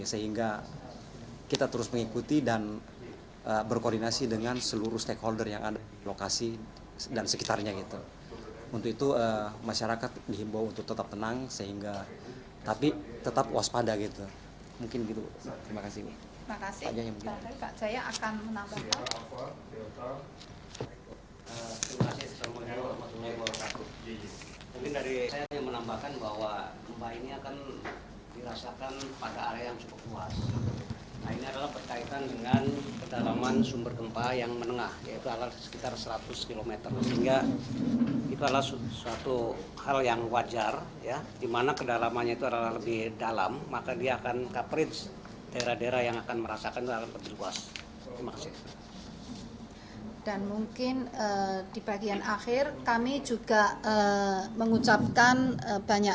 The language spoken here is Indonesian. sehingga kita terus mengikuti dan berkoordinasi dengan bapak jaya murjaya